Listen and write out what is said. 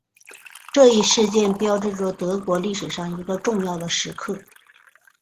这一事件标志着德国历史上一个重要的时刻。